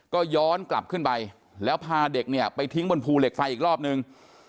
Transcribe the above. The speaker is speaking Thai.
ก็ย้อนกลับขึ้นไปแล้วพาเด็กเนี่ยไปทิ้งบนภูเหล็กไฟอีกรอบนึง